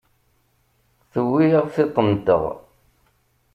Tewwi-aɣ tiṭ-nteɣ.